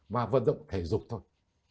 mà vận động thể dục thôi